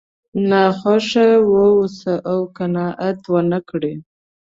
ناخوښ واوسئ او قناعت ونه کړئ.